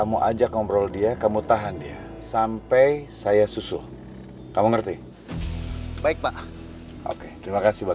maaf neng abang lagi gak terima sewa